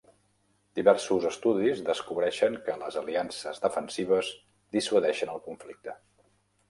Diversos estudis descobreixen que les aliances defensives dissuadeixen el conflicte.